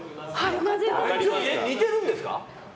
似てるんですか？